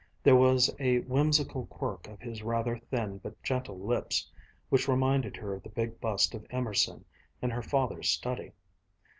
There was a whimsical quirk of his rather thin but gentle lips which reminded her of the big bust of Emerson in her father's study.